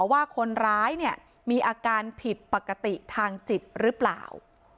ว่าคนร้ายเนี่ยมีอาการผิดปกติทางจิตหรือเปล่า